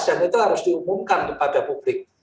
dan itu harus diumumkan kepada publik